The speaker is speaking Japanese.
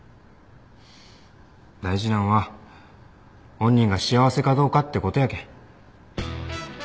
大事なんは本人が幸せかどうかってことやけん。